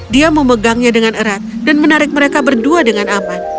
dia memegangnya dengan erat dan menarik mereka berdua dengan aman